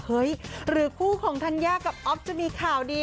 หรือคู่ของธัญญากับอ๊อฟจะมีข่าวดี